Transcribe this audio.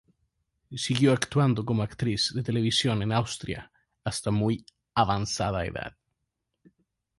Siguió actuando como actriz de televisión en Austria hasta muy avanzada edad.